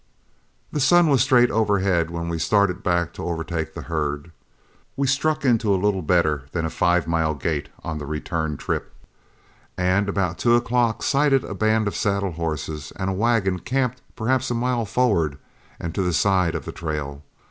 The sun was straight overhead when we started back to overtake the herd. We struck into a little better than a five mile gait on the return trip, and about two o'clock sighted a band of saddle horses and a wagon camped perhaps a mile forward and to the side of the trail.